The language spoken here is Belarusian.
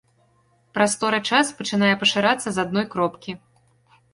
Прастора-час пачынае пашырацца з адной кропкі.